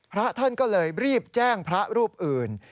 พระท่านก็เลยรีบแจ้งพระรูปอื่น